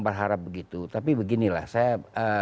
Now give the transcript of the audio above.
berharap begitu tapi beginilah saya